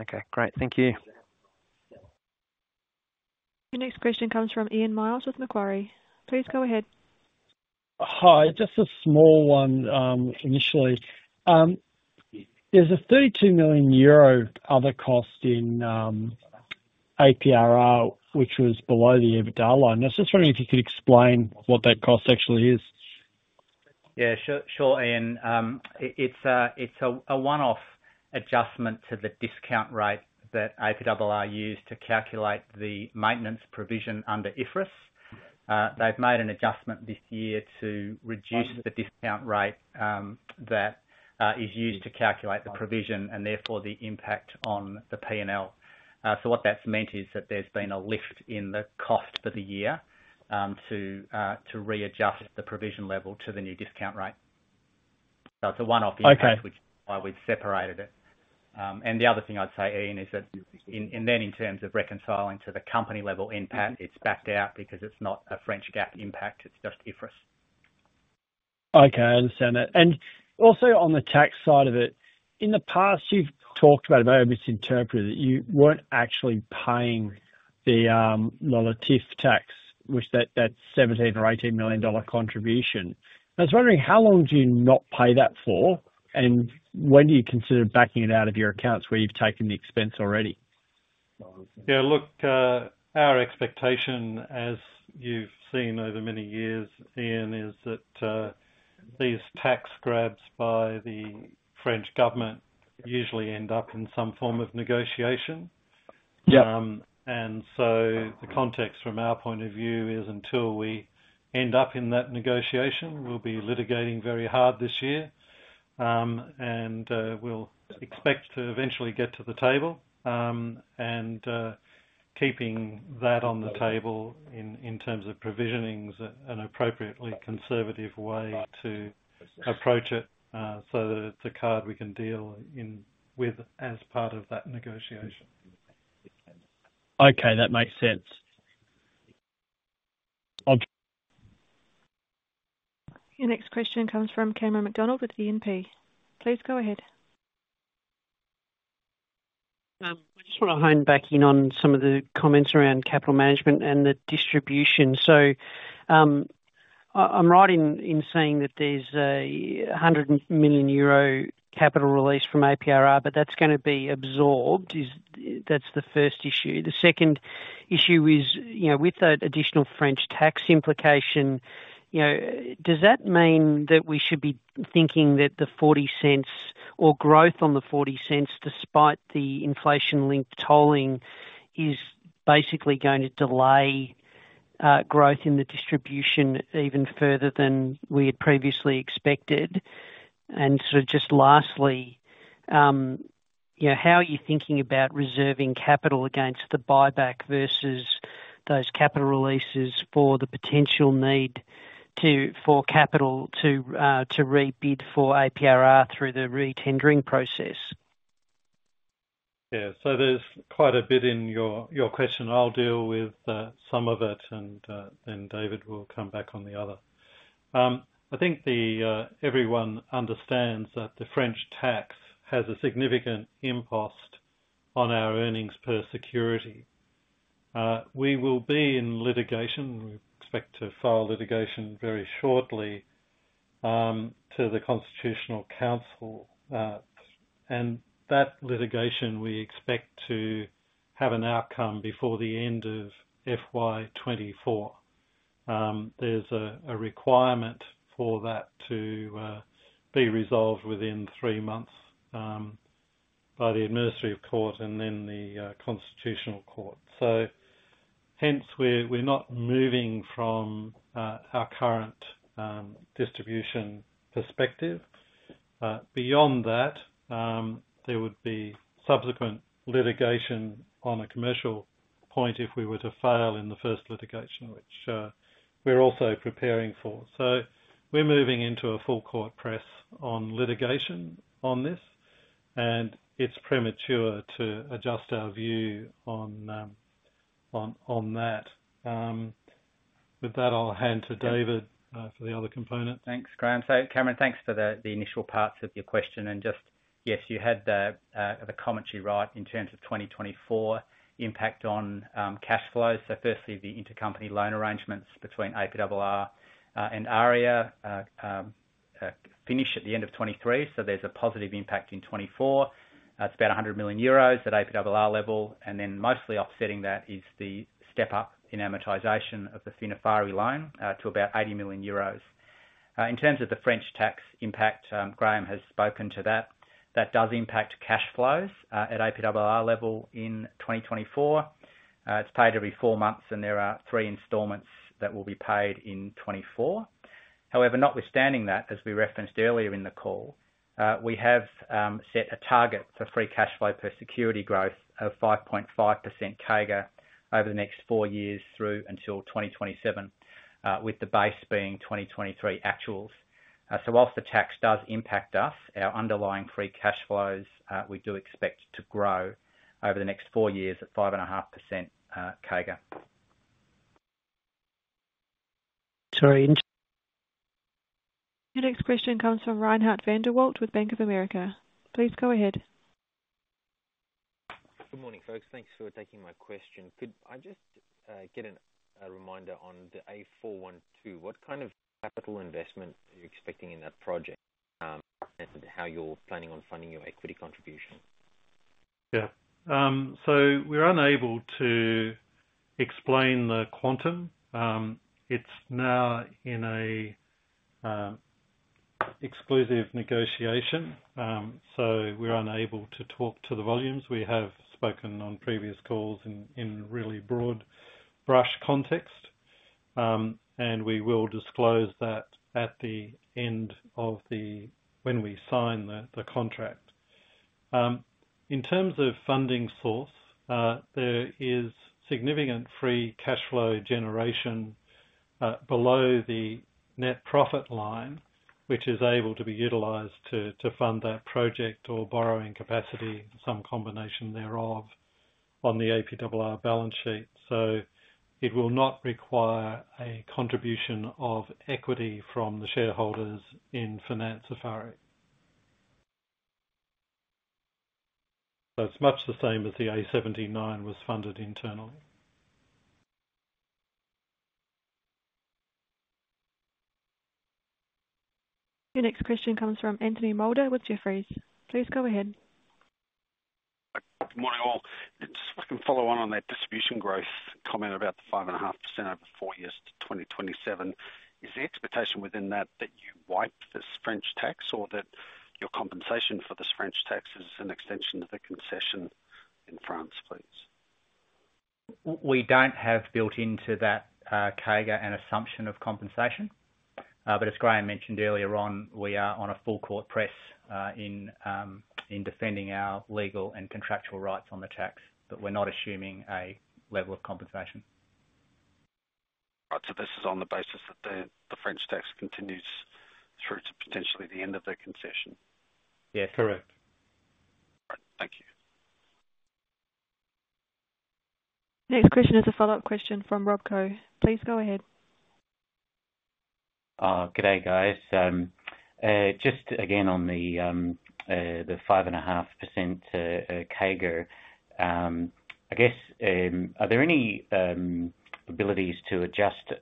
Okay. Great. Thank you. Your next question comes from Ian Myles with Macquarie. Please go ahead. Hi. Just a small one initially. There's a 32 million euro other cost in APRR, which was below the EBITDA line. I was just wondering if you could explain what that cost actually is. Yeah, sure, Ian. It's a one-off adjustment to the discount rate that APRR used to calculate the maintenance provision under IFRS. They've made an adjustment this year to reduce the discount rate that is used to calculate the provision and therefore the impact on the P&L. So what that's meant is that there's been a lift in the cost for the year to readjust the provision level to the new discount rate. So it's a one-off impact, which is why we've separated it. And the other thing I'd say, Ian, is that then in terms of reconciling to the company-level impact, it's backed out because it's not a French GAAP impact. It's just IFRS. Okay. I understand that. Also on the tax side of it, in the past, you've talked about it, but I misinterpreted it, that you weren't actually paying the TILD tax, which that's $17 or $18 million contribution. I was wondering, how long do you not pay that for, and when do you consider backing it out of your accounts where you've taken the expense already? Yeah, look, our expectation, as you've seen over many years, Ian, is that these tax grabs by the French government usually end up in some form of negotiation. And so the context from our point of view is until we end up in that negotiation, we'll be litigating very hard this year. And we'll expect to eventually get to the table, and keeping that on the table in terms of provisioning is an appropriately conservative way to approach it so that it's a card we can deal with as part of that negotiation. Okay. That makes sense. Your next question comes from Cameron McDonald with the E&P. Please go ahead. I just want to hone back in on some of the comments around capital management and the distribution. So I'm right in saying that there's a 100 million euro capital release from APRR, but that's going to be absorbed. That's the first issue. The second issue is with that additional French tax implication, does that mean that we should be thinking that the 0.40 or growth on the 0.40, despite the inflation-linked tolling, is basically going to delay growth in the distribution even further than we had previously expected? And sort of just lastly, how are you thinking about reserving capital against the buyback versus those capital releases for the potential need for capital to rebid for APRR through the retendering process? Yeah. So there's quite a bit in your question. I'll deal with some of it, and then David will come back on the other. I think everyone understands that the French tax has a significant impost on our earnings per security. We will be in litigation. We expect to file litigation very shortly to the Constitutional Council. And that litigation, we expect to have an outcome before the end of FY24. There's a requirement for that to be resolved within three months by the administrative court and then the constitutional court. So hence, we're not moving from our current distribution perspective. Beyond that, there would be subsequent litigation on a commercial point if we were to fail in the first litigation, which we're also preparing for. So we're moving into a full court press on litigation on this, and it's premature to adjust our view on that. With that, I'll hand to David for the other component. Thanks, Graeme. So Cameron, thanks for the initial parts of your question. And just yes, you had the comment you wrote in terms of 2024 impact on cash flows. So firstly, the intercompany loan arrangements between APRR and AREA finish at the end of 2023, so there's a positive impact in 2024. It's about 100 million euros at APRR level. And then mostly offsetting that is the step-up in amortization of the Financière Eiffarie loan to about 80 million euros. In terms of the French tax impact, Graeme has spoken to that. That does impact cash flows at APRR level in 2024. It's paid every four months, and there are three installments that will be paid in 2024. However, notwithstanding that, as we referenced earlier in the call, we have set a target for free cash flow per security growth of 5.5% CAGR over the next four years through until 2027, with the base being 2023 actuals. So while the tax does impact us, our underlying free cash flows, we do expect to grow over the next four years at 5.5% CAGR. Sorry. Your next question comes from Reinhardt van der Walt with Bank of America. Please go ahead. Good morning, folks. Thanks for taking my question. Could I just get a reminder on the A412? What kind of capital investment are you expecting in that project and how you're planning on funding your equity contribution? Yeah. So we're unable to explain the quantum. It's now in an exclusive negotiation, so we're unable to talk to the volumes. We have spoken on previous calls in really broad brush context, and we will disclose that at the end of when we sign the contract. In terms of funding source, there is significant free cash flow generation below the net profit line, which is able to be utilized to fund that project or borrowing capacity, some combination thereof, on the APRR balance sheet. So it will not require a contribution of equity from the shareholders in Financière Eiffarie. So it's much the same as the A79 was funded internally. Your next question comes from Anthony Moulder with Jefferies. Please go ahead. Good morning, all. Just if I can follow on that distribution growth comment about the 5.5% over four years to 2027, is the expectation within that that you wipe this French tax or that your compensation for this French tax is an extension of the concession in France, please? We don't have built into that CAGR an assumption of compensation. But as Graeme mentioned earlier on, we are on a full court press in defending our legal and contractual rights on the tax, but we're not assuming a level of compensation. Right. So this is on the basis that the French tax continues through to potentially the end of the concession? Yes. Correct. Right. Thank you. Next question is a follow-up question from Rob Koh. Please go ahead. G'day, guys. Just again on the 5.5% CAGR, I guess, are there any abilities to adjust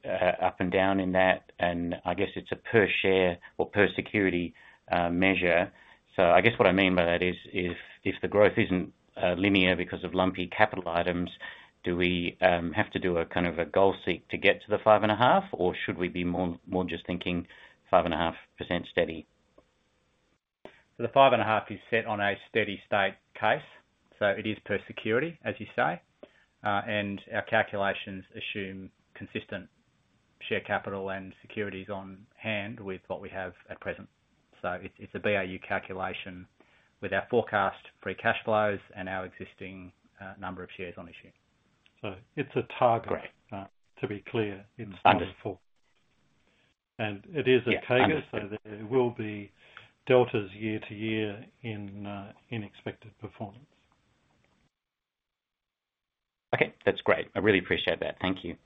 up and down in that? And I guess it's a per-share or per-security measure. So I guess what I mean by that is if the growth isn't linear because of lumpy capital items, do we have to do kind of a goal seek to get to the 5.5, or should we be more just thinking 5.5% steady? The 5.5 is set on a steady state case. It is per security, as you say. Our calculations assume consistent share capital and securities on hand with what we have at present. It's a BAU calculation with our forecast free cash flows and our existing number of shares on issue. It's a target. Great. To be clear, it's full. Understood. It is a CAGR, so there will be deltas year to year in unexpected performance. Okay. That's great. I really appreciate that. Thank you.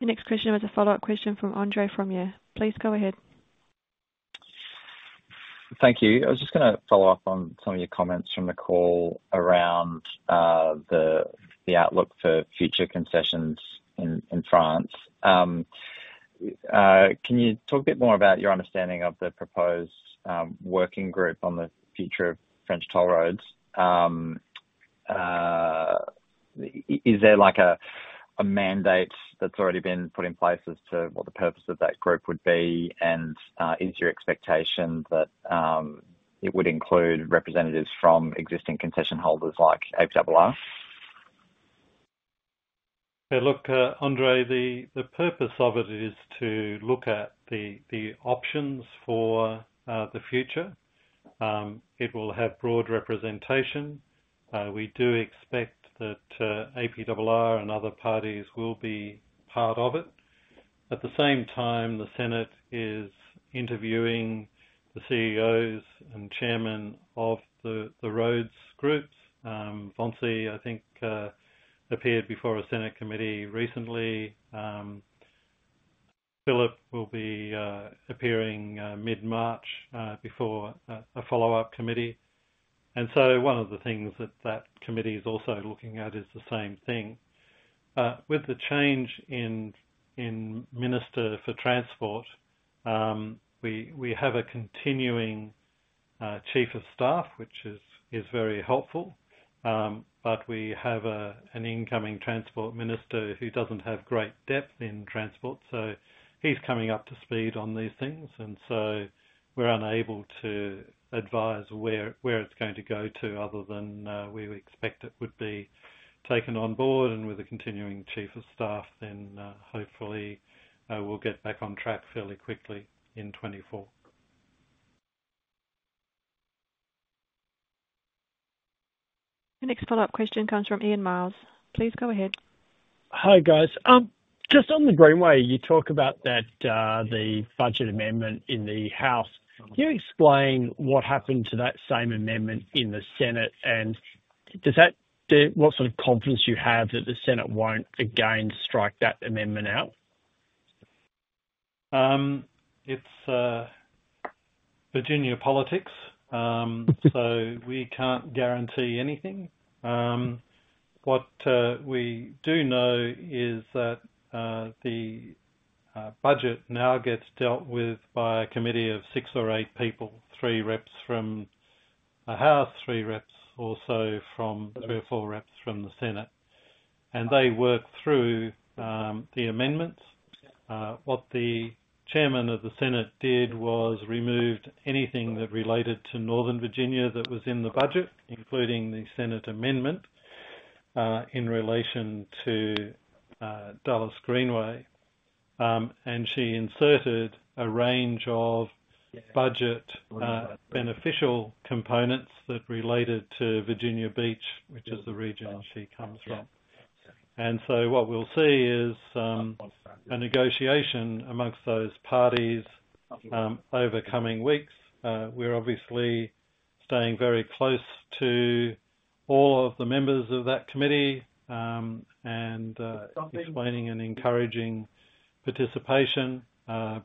Your next question was a follow-up question from Andre Fromyhr. Please go ahead. Thank you. I was just going to follow up on some of your comments from the call around the outlook for future concessions in France. Can you talk a bit more about your understanding of the proposed working group on the future of French toll roads? Is there a mandate that's already been put in place as to what the purpose of that group would be? And is your expectation that it would include representatives from existing concession holders like APRR? Yeah. Look, Andre, the purpose of it is to look at the options for the future. It will have broad representation. We do expect that APRR and other parties will be part of it. At the same time, the Senate is interviewing the CEOs and chairmen of the roads groups. Vinci, I think, appeared before a Senate committee recently. Philippe will be appearing mid-March before a follow-up committee. So one of the things that that committee is also looking at is the same thing. With the change in Minister for Transport, we have a continuing Chief of Staff, which is very helpful. But we have an incoming Transport Minister who doesn't have great depth in transport, so he's coming up to speed on these things. So we're unable to advise where it's going to go to other than we expect it would be taken on board. With a continuing Chief of Staff, then hopefully, we'll get back on track fairly quickly in 2024. Your next follow-up question comes from Ian Myles. Please go ahead. Hi, guys. Just on the Greenway, you talk about the budget amendment in the House. Can you explain what happened to that same amendment in the Senate, and what sort of confidence do you have that the Senate won't, again, strike that amendment out? It's Virginia politics, so we can't guarantee anything. What we do know is that the budget now gets dealt with by a committee of six or eight people, three reps from the House, three reps or so from three or four reps from the Senate. They work through the amendments. What the chairman of the Senate did was removed anything that related to Northern Virginia that was in the budget, including the Senate amendment in relation to Dulles Greenway. She inserted a range of budget beneficial components that related to Virginia Beach, which is the region she comes from. So what we'll see is a negotiation among those parties over coming weeks. We're obviously staying very close to all of the members of that committee and explaining and encouraging participation.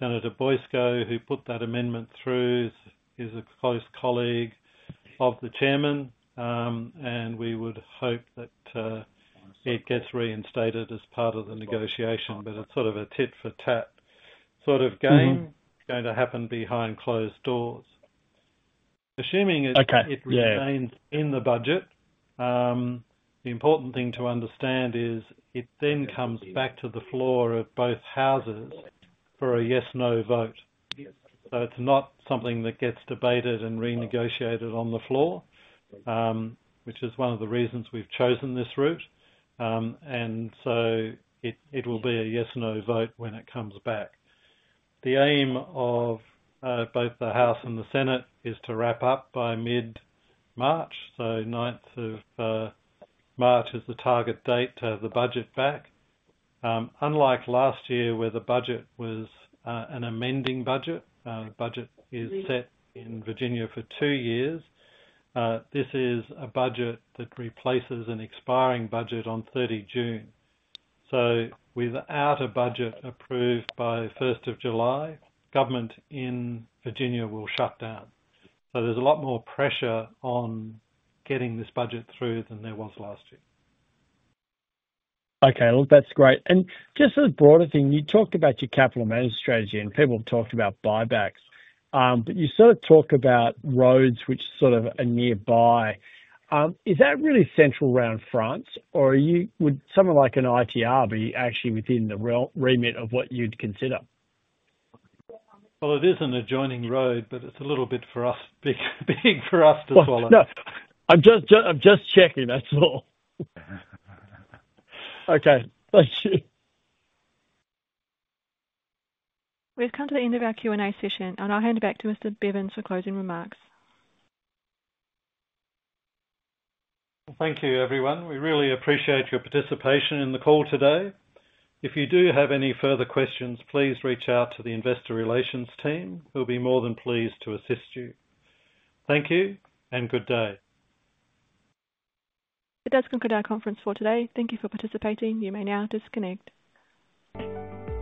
Senator Boysko, who put that amendment through, is a close colleague of the chairman. We would hope that it gets reinstated as part of the negotiation. But it's sort of a tit-for-tat sort of game going to happen behind closed doors. Assuming it remains in the budget, the important thing to understand is it then comes back to the floor of both houses for a yes/no vote. So it's not something that gets debated and renegotiated on the floor, which is one of the reasons we've chosen this route. And so it will be a yes/no vote when it comes back. The aim of both the House and the Senate is to wrap up by mid-March. So 9th of March is the target date to have the budget back. Unlike last year, where the budget was an amending budget, the budget is set in Virginia for two years; this is a budget that replaces an expiring budget on 30 June. So without a budget approved by 1st of July, government in Virginia will shut down. So there's a lot more pressure on getting this budget through than there was last year. Okay. Look, that's great. And just as a broader thing, you talked about your capital management strategy, and people have talked about buybacks. But you sort of talk about roads, which sort of are nearby. Is that really central around France, or would someone like an ITR be actually within the remit of what you'd consider? Well, it is an adjoining road, but it's a little bit big for us to swallow. Well, no. I'm just checking. That's all. Okay. Thank you. We have come to the end of our Q&A session, and I'll hand it back to Mr. Bevans for closing remarks. Well, thank you, everyone. We really appreciate your participation in the call today. If you do have any further questions, please reach out to the Investor Relations team. We'll be more than pleased to assist you. Thank you, and good day. It does conclude our conference for today. Thank you for participating. You may now disconnect.